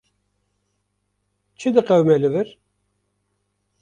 Çi diqewime li wir?